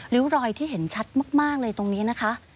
รอยที่เห็นชัดมากเลยตรงนี้นะคะ